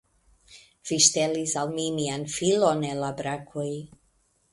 Vi ŝtelis al mi mian filon el la brakoj.